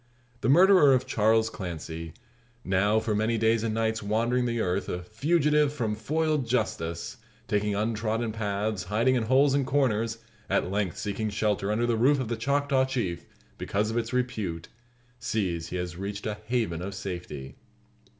The murderer of Charles Clancy now for many days and nights wandering the earth, a fugitive from foiled justice, taking untrodden paths, hiding in holes and corners, at length seeking shelter under the roof of the Choctaw Chief, because of its repute, sees he has reached a haven of safety.